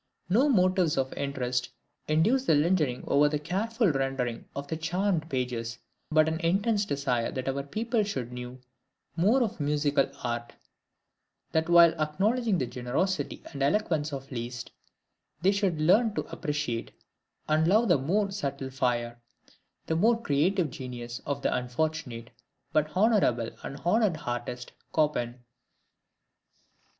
No motives of interest induced the lingering over the careful rendering of the charmed pages, but an intense desire that our people should know more of musical art; that while acknowledging the generosity and eloquence of Liszt, they should learn to appreciate and love the more subtle fire, the more creative genius of the unfortunate, but honorable and honored artist, Chopin.